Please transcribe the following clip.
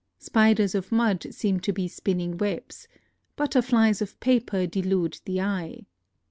Spiders of mud seem to be spinning webs; butterflies of paper delude the eye.